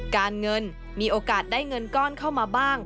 การเงินมีโอกาสได้เงินก้อนเข้ามาบ้าง